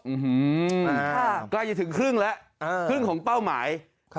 อืมฮือค่ะกลายจะถึงครึ่งแล้วอืมครึ่งของเป้าหมายครับ